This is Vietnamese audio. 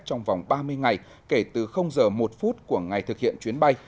trong vòng ba mươi ngày kể từ giờ một phút của ngày thực hiện chuyến bay